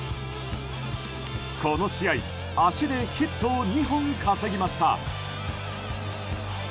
この試合、足でヒットを２本稼ぎました。